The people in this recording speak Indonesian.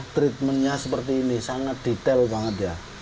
treatmentnya seperti ini sangat detail banget ya